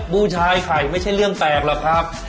บูชายไข่ไม่ใช่เรื่องแปลกหรอกครับ